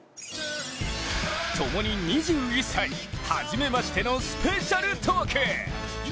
ともに２１歳はじめましてのスペシャルトーク